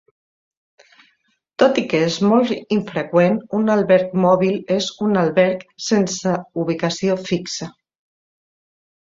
Tot i que és molt infreqüent, un alberg mòbil és un alberg sense ubicació fixa.